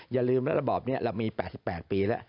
อย่าลืมนะระบอบนี้เรามี๘๘ปีแล้ว